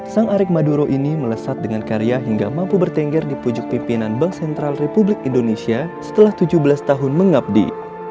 sang arik maduro ini melesat dengan karya hingga mampu bertengger di pucuk pimpinan bank sentral republik indonesia setelah tujuh belas tahun mengabdi